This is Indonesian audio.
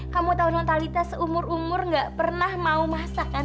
kamu tau nontalita seumur umur gak pernah mau masakan